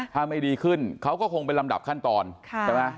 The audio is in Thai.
ถ้าไม่ดีขึ้นเขาก็คงเป็นลำดับขั้นตอนใช่ไหม